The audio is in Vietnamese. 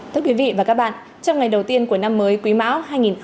thưa quý vị và các bạn trong ngày đầu tiên của năm mới quý mão hai nghìn hai mươi bốn